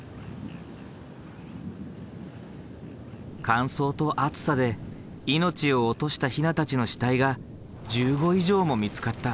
乾燥と暑さで命を落としたヒナたちの死体が１５以上も見つかった。